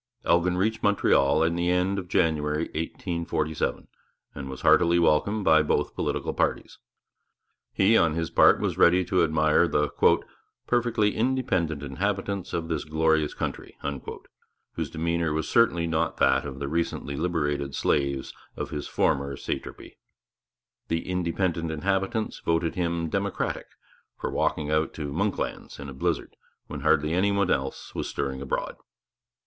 Elgin reached Montreal in the end of January 1847, and was heartily welcomed by both political parties. He, on his part, was ready to admire the 'perfectly independent inhabitants' of this 'glorious country,' whose demeanour was certainly not that of the recently liberated slaves in his former satrapy. The 'independent inhabitants' voted him 'democratic' for walking out to 'Monklands' in a blizzard, when hardly any one else was stirring abroad.